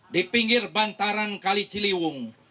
di pinggir bantaran kaliciliwung